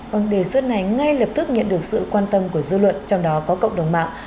vâng đề xuất này ngay lập tức nhận được sự quan tâm của dư luận trong đó có cộng đồng mạng